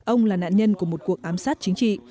ông là nạn nhân của một cuộc ám sát chính trị